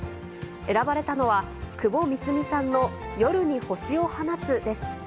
選ばれたのは、窪美澄さんの夜に星を放つです。